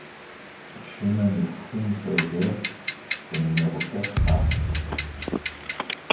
Chemin de Fount Laouzert au numéro quatre A